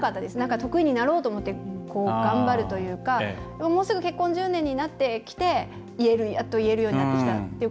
得意になろうと思って頑張るというかもうすぐ結婚１０年になってきてやっと言えるようになってきた。